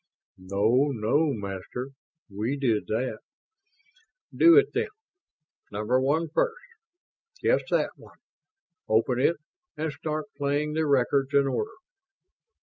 "Oh, no, Master, we did that." "Do it, then. Number One first ... yes, that one ... open it and start playing the records in order."